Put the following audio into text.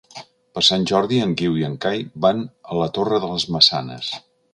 Per Sant Jordi en Guiu i en Cai van a la Torre de les Maçanes.